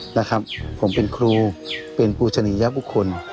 นะครับผมเป็นครูเป็นปูชนียบุคคล